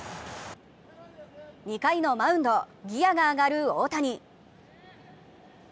２回のマウンド、ギアが上がる大谷。